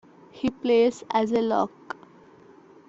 He plays as a lock.